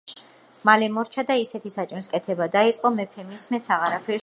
მალე მორჩა და ისეთი საჭმლის კეთება დაიწყო, მეფე მის მეტს აღარაფერს სჭამდა.